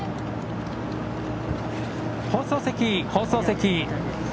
放送席、放送席。